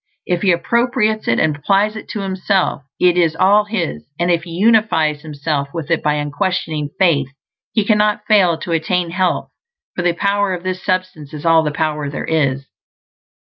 If he appropriates it and applies it to himself it is all his; and if he unifies himself with it by unquestioning faith, he cannot fail to attain health, for the power of this Substance is all the power there is.